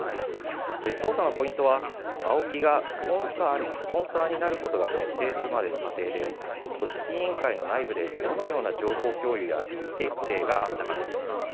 捜査のポイントはＡＯＫＩがスポンサーになることが決定するまでの過程で組織委員会の内部でどのような情報共有や意思決定があったかです。